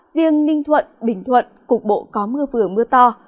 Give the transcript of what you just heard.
riêng ninh thuận bình thuận cục bộ có mưa vừa mưa to